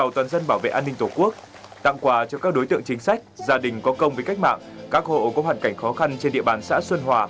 tư tượng chính sách gia đình có công với cách mạng các hộ có hoàn cảnh khó khăn trên địa bàn xã xuân hòa